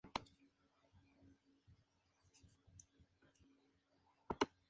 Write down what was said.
El fiscal pertinente del casó determinó que debe realizarse un peritaje.